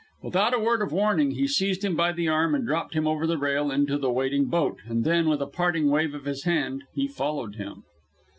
Without a word of warning, he seized him by the arm and dropped him over the rail into the waiting boat; and then, with a parting wave of his hand, he followed him.